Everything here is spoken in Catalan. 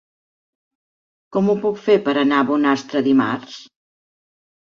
Com ho puc fer per anar a Bonastre dimarts?